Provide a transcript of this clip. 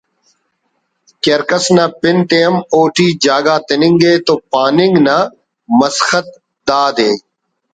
کہ ہر کس نا پن تے ہم اوٹی جاگہ تننگے تو پاننگ نا مسخت دادے